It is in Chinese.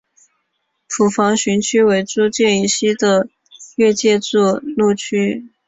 捕房巡区为租界以西的越界筑路区。